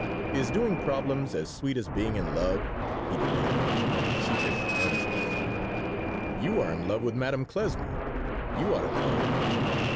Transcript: "Is doing problems as sweet as being in love?" he demanded, with sheepish earnestness "You are in love with Madame Klesmer. You ought to know."